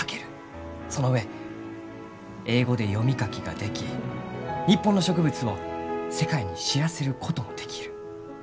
その上英語で読み書きができ日本の植物を世界に知らせることもできる。